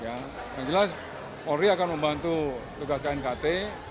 yang jelas polri akan membantu tugas knkt